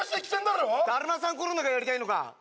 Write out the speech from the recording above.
だるまさんが転んだがやりたいのか？